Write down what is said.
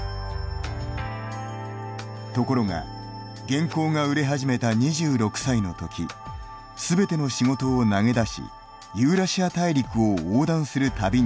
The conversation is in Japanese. ところが原稿が売れ始めた２６歳の時全ての仕事を投げ出しユーラシア大陸を横断する旅に出ます。